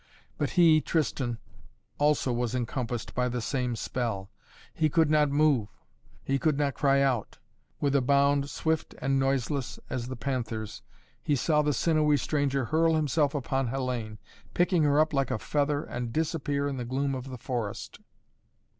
But he, Tristan, also was encompassed by the same spell. He could not move he could not cry out. With a bound, swift and noiseless as the panther's, he saw the sinewy stranger hurl himself upon Hellayne, picking her up like a feather and disappear in the gloom of the forest.